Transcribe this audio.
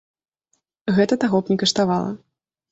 Гэта таго б не каштавала.